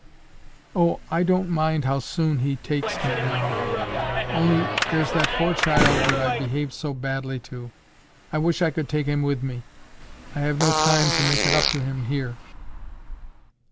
"Oh, I don't mind how soon He takes me now! Only there's that poor child that I've behaved so badly to! I wish I could take him with me. I have no time to make it up to him here."